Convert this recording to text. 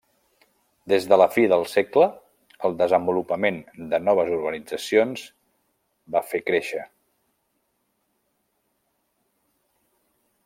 Des de la fi del segle, el desenvolupament de noves urbanitzacions va fer créixer.